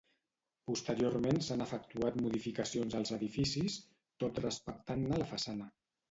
Posteriorment s'han efectuat modificacions als edificis, tot respectant-ne la façana.